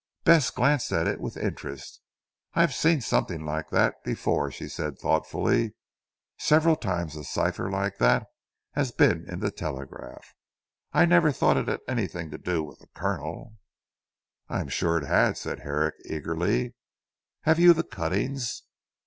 Bess glanced at it with interest. "I have seen something like that before," she said thoughtfully, "several times a cipher like that has been in the Telegraph. I never thought it had anything to do with the Colonel." "I am sure it had," said Herrick eagerly. "Have you the cuttings?"